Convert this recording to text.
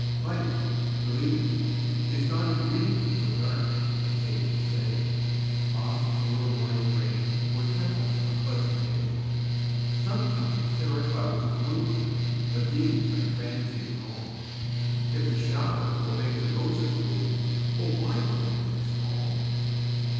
Life, believe, is not a dream So dark as sages say; Oft a little morning rain Foretells a pleasant day. Sometimes there are clouds of gloom, But these are transient all; If the shower will make the roses bloom, O why lament its fall?